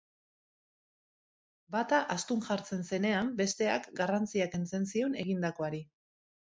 Bata astun jartzen zenean, besteak garrantzia kentzen zion egindakoari.